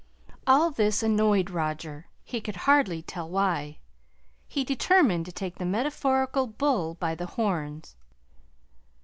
All this annoyed Roger, he could hardly tell why. He determined to take the metaphorical bull by the horns.